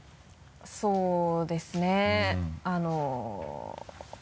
そうですねあの。